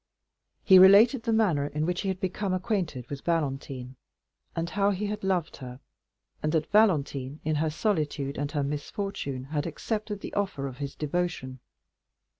He related the manner in which he had become acquainted with Valentine, and how he had loved her, and that Valentine, in her solitude and her misfortune, had accepted the offer of his devotion.